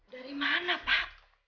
dari mana pak